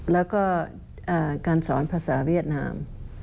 แล้วก็การสอนภาษาเวียดนาม